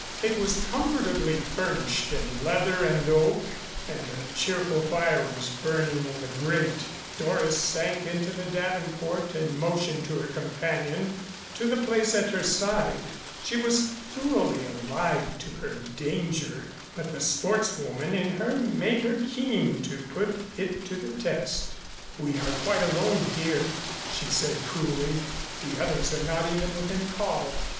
It was comfortably furnished in leather and oak and a cheerful fire was burning in the grate. Doris sank into the davenport and motioned to her companion to the place at her side. She was thoroughly alive to her danger, but the sportswoman in her made her keen to put it to the test. "We are quite alone here," she said coolly. "The others are not even within call.